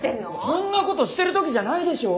そんなことしてる時じゃないでしょ！？